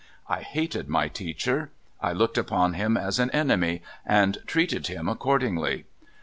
I liated my teacher. I looked upon him as an enemy, and treated him accordingly.